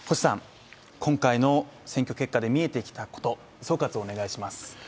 今回の選挙結果で見えてきたこと総括をお願いします。